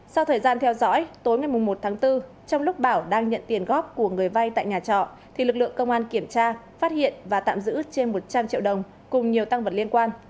sau thời gian theo dõi tối ngày một tháng bốn trong lúc bảo đang nhận tiền góp của người vay tại nhà trọ thì lực lượng công an kiểm tra phát hiện và tạm giữ trên một trăm linh triệu đồng cùng nhiều tăng vật liên quan